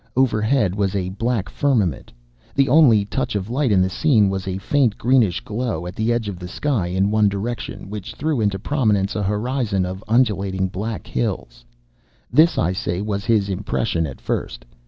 Overhead was a black firmament. The only touch of light in the scene was a faint greenish glow at the edge of the sky in one direction, which threw into prominence a horizon of undulating black hills. This, I say, was his impression at first.